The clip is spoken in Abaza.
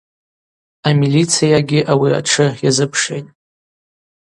Амилициягьи ауи атшы йазыпшгӏитӏ.